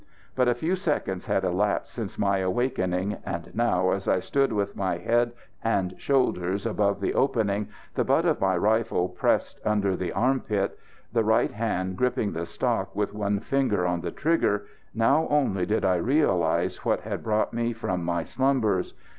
But a few seconds had elapsed since my awakening, and now, as I stood with my head and shoulders above the opening, the butt of my rifle pressed under the arm pit, the right hand gripping the stock with one finger on the trigger, now only did I realise what had brought me from my slumbers.